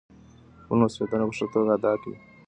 خپل مسؤلیتونه په ښه توګه ادا کړئ.